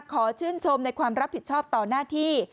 ขอชื่นชมในความรับผิดชอบต่อหน้าที่